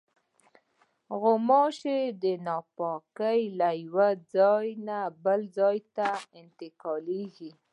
غوماشې ناپاکي له یوه ځایه بل ته انتقالوي.